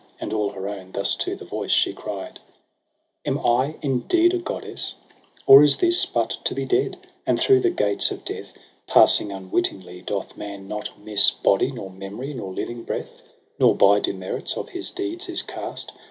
And all her own, thus to the voice she cried :' Am I indeed a goddess, or is this But to be dead j and through the gates of death Passing unwittingly doth man not miss Body nor memory nor living breath • Nor by demerits of his deeds is cast.